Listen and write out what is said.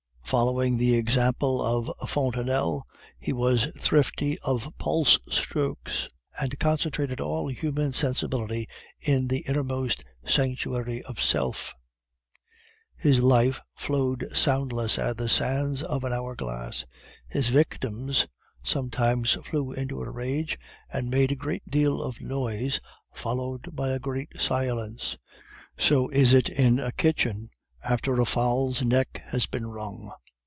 Following the example of Fontenelle, he was thrifty of pulse strokes, and concentrated all human sensibility in the innermost sanctuary of Self. "His life flowed soundless as the sands of an hour glass. His victims sometimes flew into a rage and made a great deal of noise, followed by a great silence; so is it in a kitchen after a fowl's neck has been wrung.